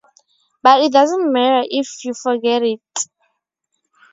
But it doesn't matter if you forget it.